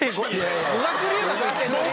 語学留学行ってるのに。